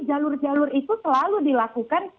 jalur jalur itu selalu dilakukan